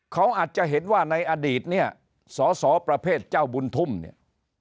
เขาอาจจะเห็นว่าในอดีตเนี่ยสอสอประเภทเจ้าบุญทุ่มเนี่ย